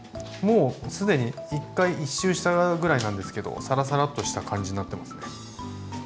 もう既に１回１周したぐらいなんですけどサラサラッとした感じになってますね。